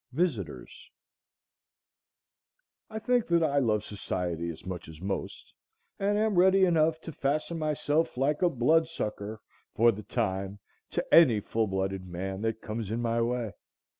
Visitors I think that I love society as much as most, and am ready enough to fasten myself like a bloodsucker for the time to any full blooded man that comes in my way.